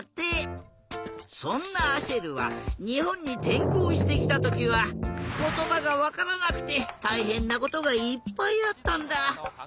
そんなアシェルはにほんにてんこうしてきたときはことばがわからなくてたいへんなことがいっぱいあったんだ。